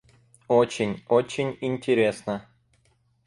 Очень, очень интересно!